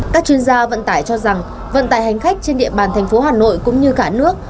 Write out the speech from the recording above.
các chuyên gia vận tải cho rằng vận tải hành khách trên địa bàn thành phố hà nội cũng như cả nước